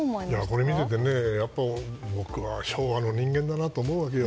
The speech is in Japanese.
これを見ていて僕は昭和の人間だなと思うわけよ。